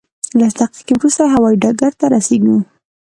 لس دقیقې وروسته هوایي ډګر ته رسېږو.